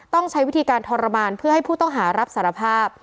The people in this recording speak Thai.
ต้องใช้วิธีการทรมานเพื่อให้ผู้ต้องหารับสารภาพ